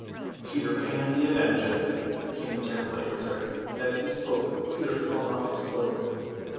"Peter Pan the avenger!" came the terrible answer; and as he spoke Peter flung off his cloak.